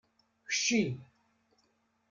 Kcci!